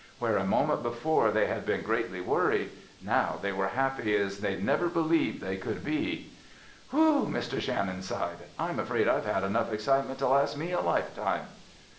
Where a minute before they had been greatly worried, now they were happy as they never believed they could be. "Whew!" Mr. Shannon sighed. "I'm afraid I've had enough excitement to last me a lifetime!"